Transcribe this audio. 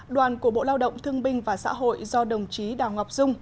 đoàn của bộ lao động thương binh và xã hội do đồng chí đào ngọc dung